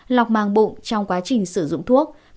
lọc mang bụng trong quá trình sử dụng thuốc